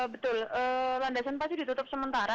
betul landasan pasti ditutup sementara